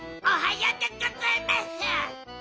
おはよう！